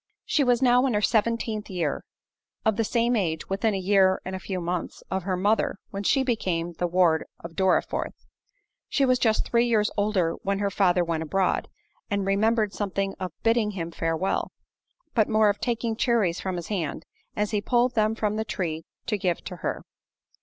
She was now in her seventeenth year—of the same age, within a year and a few months, of her mother, when she became the ward of Dorriforth. She was just three years old when her father went abroad, and remembered something of bidding him farewell; but more of taking cherries from his hand, as he pulled them from the tree to give to her.